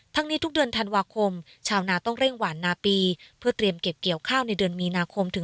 และการช่วยเหลืออาจไม่ทั่วถึง